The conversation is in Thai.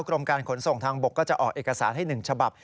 กรมการขนส่งทางบกก็จะออกเอกสารให้๑ฉบับ